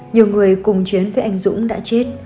nhiều người cùng chiến với anh dũng đã chết